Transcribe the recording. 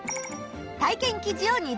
体験記事を２番目。